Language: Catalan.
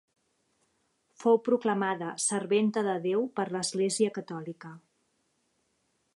Fou proclamada Serventa de Déu per l'Església catòlica.